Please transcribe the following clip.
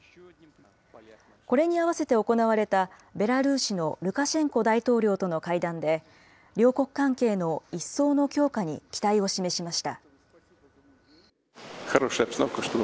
これに合わせて行われたベラルーシのルカシェンコ大統領との会談で、両国関係の一層の強化に期待を示しました。